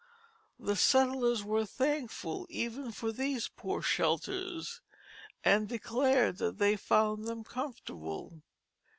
The settlers were thankful even for these poor shelters, and declared that they found them comfortable.